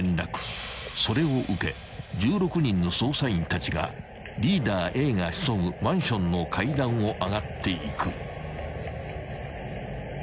［それを受け１６人の捜査員たちがリーダーＡが潜むマンションの階段を上がっていく］